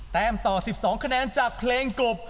ต่อ๑๒คะแนนจากเพลงกลบ